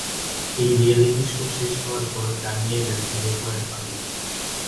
এই reality show শেষ হওয়ার পর গান নিয়ে ব্যস্ত হয়ে পড়েন অদিতি।